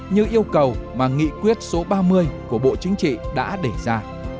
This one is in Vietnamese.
như yêu cầu mà nghị quyết số ba mươi của bộ chính trị đã đề ra